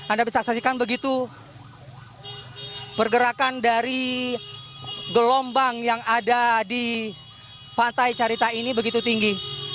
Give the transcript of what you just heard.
anda bisa saksikan begitu pergerakan dari gelombang yang ada di pantai carita ini begitu tinggi